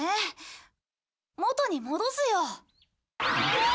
元に戻すよ。